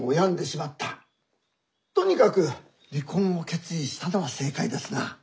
とにかく離婚を決意したのは正解ですな。